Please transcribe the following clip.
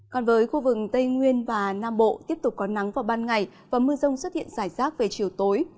còn với khu vực tây nguyên và nam bộ tiếp tục có nắng vào ban ngày và mưa rông xuất hiện rải rác về chiều tối